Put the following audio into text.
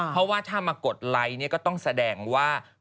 เพราะว่าถ้ามากดไลค์ก็ต้องแสดงว่า